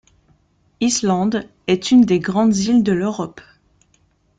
Islande est une des grandes îles de l’Europe.